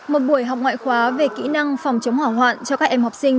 một buổi học ngoại khóa về kỹ năng phòng chống hỏa hoạn cho các em học sinh